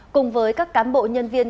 cùng với các cán bộ nhân viên